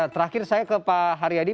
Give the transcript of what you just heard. terakhir saya ke pak haryadi